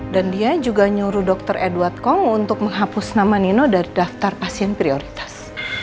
dan dia juga nyuruh dokter edward kong untuk menghapus nama nino dari daftar pasien prioritas